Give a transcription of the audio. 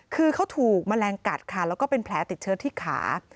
คือเขาถูกแมลงกัดค่ะแล้วก็เป็นแผลติดเชื้อที่ขา